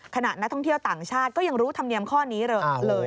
ขณะนักท่องเที่ยวต่างชาติก็ยังรู้ธรรมเนียมข้อนี้เลย